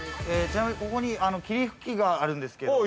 ◆ちなみに、ここに霧吹きがあるんですけれども。